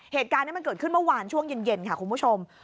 เหตุการณ์นี้มันเกิดขึ้นเมื่อวานช่วงเย็นค่ะคุณผู้ชม